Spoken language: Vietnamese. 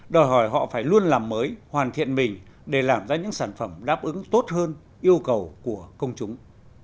đòi hỏi họ phải luôn làm mới hoàn thiện mình để làm ra những sản phẩm đáp ứng tốt hơn yêu cầu của công chúng